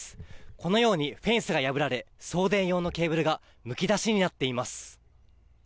このようにフェンスが破られ、送電用のケーブルがむき出しになっています。